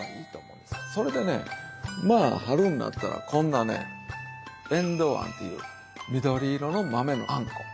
それでねまあ春になったらこんなねえんどうあんという緑色の豆のあんこ。